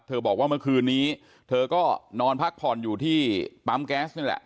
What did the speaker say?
บอกว่าเมื่อคืนนี้เธอก็นอนพักผ่อนอยู่ที่ปั๊มแก๊สนี่แหละ